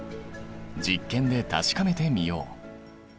実験で確かめてみよう。